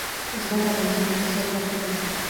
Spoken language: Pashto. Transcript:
زغال د افغانستان د اقتصاد برخه ده.